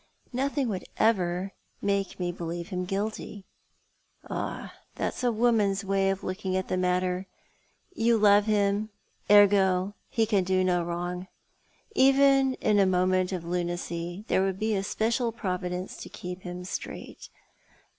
" Nothing would ever make me believe him guilty." *' Ah, that's a woman's way of looking at the matter. You love him ; ergo he can do no wrong. Even in a moment of lunacy there would be a special providence to keep him straight.